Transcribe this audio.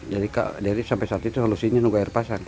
jadi kak dari sampai saat itu harus nunggu air pasang